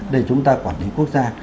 để chúng ta quản lý quốc gia